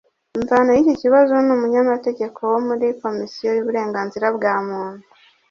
Imvano y’iki kibazo ni umunyamategeko wo muri Komisiyo y’Uburenganzira bwa Muntu